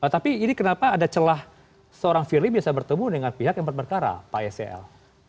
tapi ini kenapa ada celah seorang firly biasa bertemu dengan pihak yang berperkara pak sel